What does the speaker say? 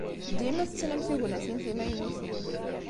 Dima tettnam tignatin timaynutin.